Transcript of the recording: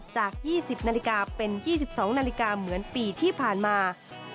จาก๒๐นาฬิกาเป็น๒๒นาฬิกาเหมือนปีที่ผ่านมา